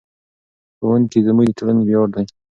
ښوونکي زموږ د ټولنې ویاړ دي.